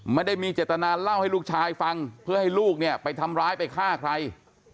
ไม่ได้มีเจตนาเล่าให้ลูกชายฟังเพื่อให้ลูกเนี่ยไปทำร้ายไปฆ่าใคร